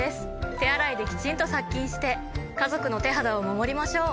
手洗いできちんと殺菌して家族の手肌を守りましょう！